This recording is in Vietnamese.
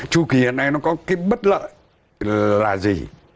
chu kỳ hiện nay nó có cái bất lợi là gì